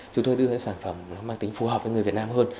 chúng tôi đưa ra sản phẩm mà tính phù hợp với người việt nam hơn